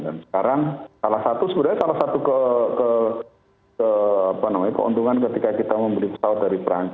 dan sekarang salah satu sebenarnya salah satu keuntungan ketika kita membeli pesawat dari perang